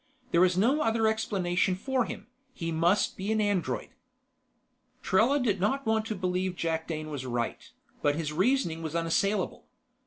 There is no other explanation for him: he must be an android." Trella did not want to believe Jakdane was right, but his reasoning was unassailable.